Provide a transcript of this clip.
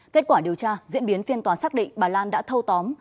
kết quả điều tra diễn biến phiên tòa xác định bà lan đã thâu tóm